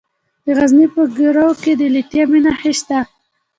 د غزني په ګیرو کې د لیتیم نښې شته.